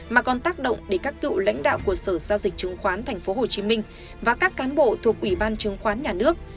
mà còn tác động đến các cựu lãnh đạo của sở giao dịch chứng khoán tp hcm và các cán bộ thuộc ủy ban chứng khoán nhà nước